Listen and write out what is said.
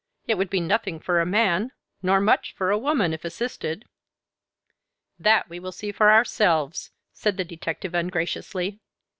It would be nothing for a man, nor much for a woman if assisted." "That we will see for ourselves," said the detective, ungraciously.